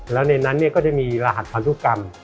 แล้วในนั้นก็จะมีรหัสพันธุกรรม